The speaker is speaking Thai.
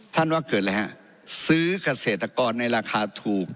ว่าเกิดอะไรฮะซื้อเกษตรกรในราคาถูก